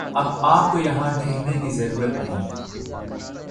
اب آپ کو یہاں ٹھہرنے کی ضرورت نہیں ہے